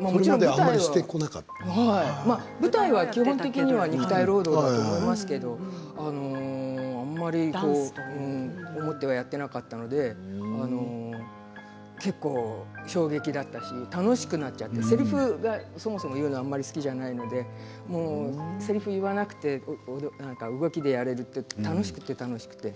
もちろん舞台は基本的には肉体労働だと思いますけどあまり思ってはやっていなかったので結構、衝撃だったし楽しくなっちゃってせりふがそもそも言うのが好きじゃないのでせりふを言わなくて動きでやれるっていうのは楽しくて楽しくて。